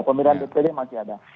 pemilihan dpd masih ada